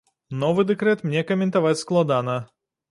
Новы дэкрэт мне каментаваць складана.